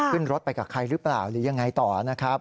ขึ้นรถไปกับใครหรือเปล่าหรือยังไงต่อนะครับ